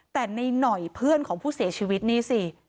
แต่ในหน่อยเพื่อนของผู้เสียชีวิตนี่สิ